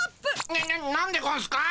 なななんでゴンスか？